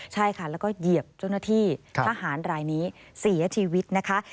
ใช่ค่ะแล้วก็เหยียบเจ้าหน้าที่ทหารรายนี้เสียชีวิตนะคะ